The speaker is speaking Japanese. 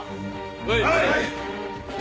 はい！